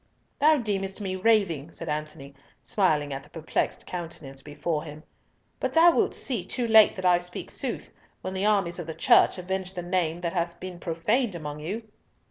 "Thou deem'st me raving," said Antony, smiling at the perplexed countenance before him, "but thou wilt see too late that I speak sooth, when the armies of the Church avenge the Name that has been profaned among you!"